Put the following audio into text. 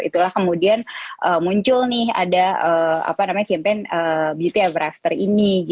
itulah kemudian muncul nih ada campaign beauty ever after ini